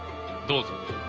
どうぞ。